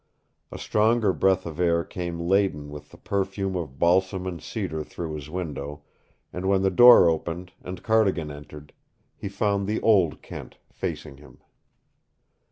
A stronger breath of air came laden with the perfume of balsam and cedar through his window, and when the door opened and Cardigan entered, he found the old Kent facing him.